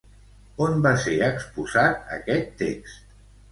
On va ser exposat aquest text?